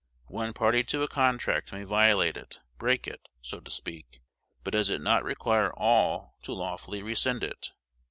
One party to a contract may violate it, break it, so to speak; but does it not require all to lawfully rescind it?